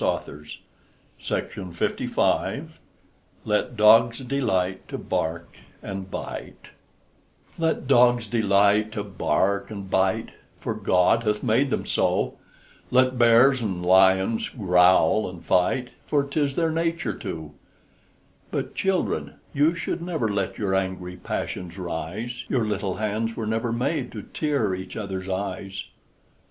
MARY HOWITT LET DOGS DELIGHT TO BARK AND BITE Let dogs delight to bark and bite, For God hath made them so; Let bears and lions growl and fight, For 'tis their nature to; But, children, you should never let Your angry passions rise: Your little hands were never made To tear each other's eyes.